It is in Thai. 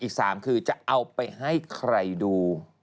อีก๓คือจะเอาไปให้ใครดู